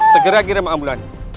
segera kirim ambulans